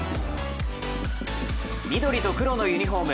緑と黒のユニフォーム